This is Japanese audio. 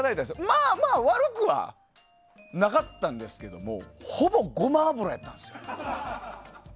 まあまあ悪くはなかったんですけどもほぼゴマ油やったんですよ。